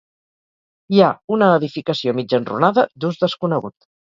Hi ha una edificació mig enrunada, d'ús desconegut.